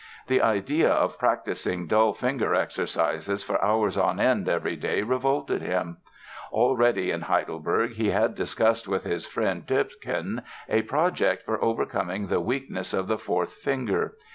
The idea of practising dull finger exercises for hours on end every day revolted him. Already in Heidelberg he had discussed with his friend, Töpken, a project for overcoming the weakness of the fourth finger.